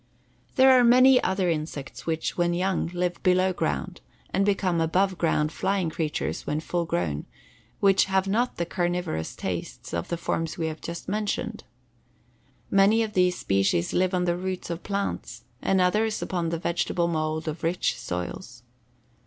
] There are many other insects which, when young, live below ground, and become above ground flying creatures, when full grown, which have not the carnivorous tastes of the forms we have just mentioned. Many of these species live on the roots of plants and others upon the vegetable mold of rich soils.